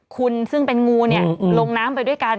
คุณซึ่งเป็นงูลงน้ำไปด้วยกัน